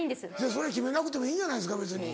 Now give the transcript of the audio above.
それ決めなくてもいいんじゃないですか別に。